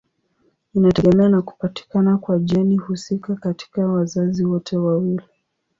Inategemea na kupatikana kwa jeni husika katika wazazi wote wawili.